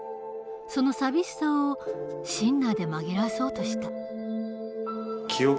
その寂しさをシンナーで紛らわそうとした。